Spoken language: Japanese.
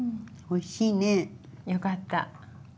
おいしいね。よかった。